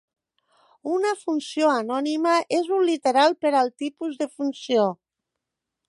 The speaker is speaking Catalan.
Una funció anònima és un literal per al tipus de funció.